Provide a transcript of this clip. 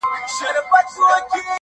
تر غوړ لمر لاندي يې تل كول مزلونه-